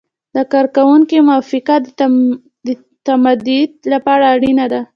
د کارکوونکي موافقه د تمدید لپاره اړینه ده.